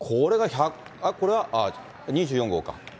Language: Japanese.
これは２４号か。